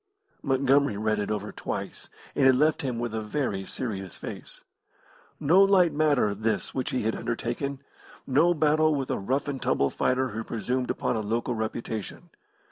Montgomery read it over twice, and it left him with a very serious face. No light matter this which he had undertaken; no battle with a rough and tumble fighter who presumed upon a local reputation.